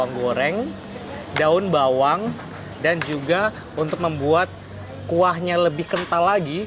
bawang goreng daun bawang dan juga untuk membuat kuahnya lebih kental lagi